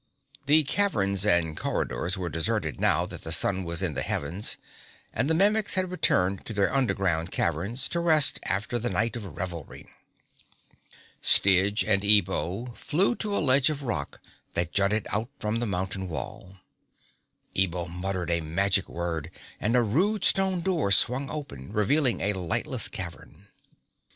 The cavern and corridors were deserted now that the sun was in the heavens, and the Mimics had returned to their underground caverns to rest after the night of revelry. Styg and Ebo flew to a ledge of rock that jutted out from the mountain wall. Ebo muttered a magic word, and a rude stone door swung open, revealing a lightless cavern.